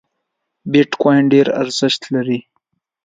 بیټ کواین ډېر ارزښت لري